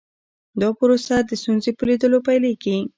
دا پروسه د ستونزې په لیدلو پیلیږي.